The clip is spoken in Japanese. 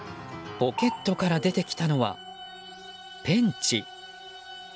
ポケットから出てきたのはペンチ。